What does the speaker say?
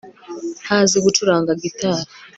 ntazi gucuranga gitari